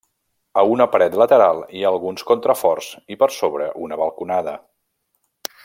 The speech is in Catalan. A una paret lateral hi ha alguns contraforts i per sobre una balconada.